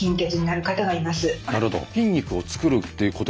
なるほど。